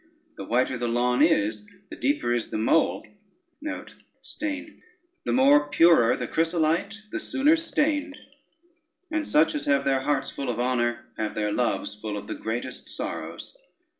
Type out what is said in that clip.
The whiter the lawn is, the deeper is the mole; the more purer the chrysolite, the sooner stained; and such as have their hearts full of honor, have their loves full of the greatest sorrows.